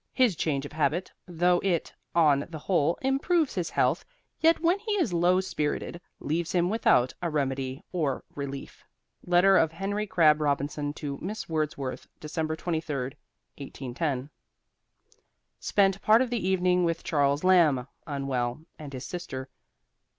His change of habit, though it, on the whole, improves his health, yet when he is low spirited, leaves him without a remedy or relief. LETTER OF HENRY CRABB ROBINSON To Miss WORDSWORTH, December 23, 1810. Spent part of the evening with Charles Lamb (unwell) and his sister.